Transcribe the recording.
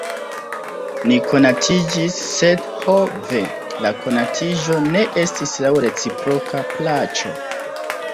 Ni konatiĝis, sed ho ve! la konatiĝo ne estis laŭ reciproka plaĉo.